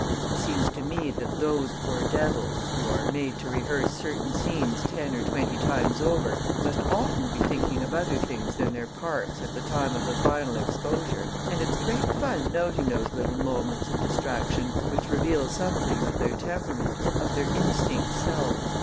It seems to me that those poor devils, who are made to rehearse certain scenes ten or twenty times over, must often be thinking of other things than their parts at the time of the final exposure. And it's great fun noting those little moments of distraction which reveal something of their temperament, of their instinct self.